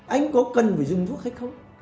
anh có cần phải dùng thuốc hay không